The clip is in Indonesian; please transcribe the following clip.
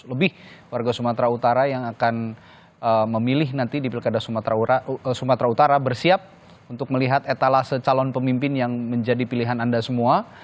lebih warga sumatera utara yang akan memilih nanti di pilkada sumatera utara bersiap untuk melihat etalase calon pemimpin yang menjadi pilihan anda semua